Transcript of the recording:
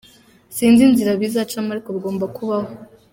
Sinzi inzira bizacamo ariko bigomba kubaho.